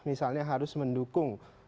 misalnya harus mendukung